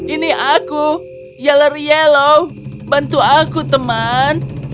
ini aku yaleri yellow bantu aku teman